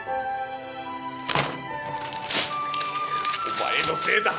お前のせいだ！